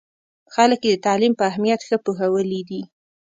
خلک یې د تعلیم په اهمیت ښه پوهولي دي.